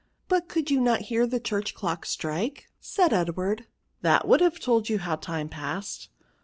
" But could not you hear the church clock strike? said Edward; "that would have told you how time passed."